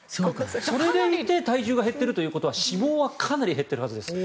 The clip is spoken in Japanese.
それでいて体重が減っているということは脂肪はかなり減っているはずです。